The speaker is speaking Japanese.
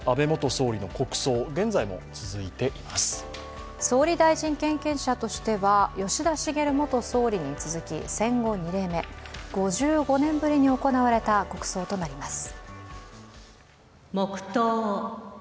総理大臣経験者としては、吉田茂元総理に続き戦後２例目、５５年ぶりに行われた国葬となります。